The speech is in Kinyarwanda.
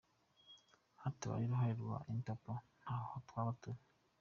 Hatabaye uruhare rwa Interpol ntaho twaba turi.